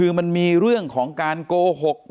เป็นวันที่๑๕ธนวาคมแต่คุณผู้ชมค่ะกลายเป็นวันที่๑๕ธนวาคม